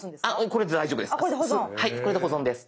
これで大丈夫です。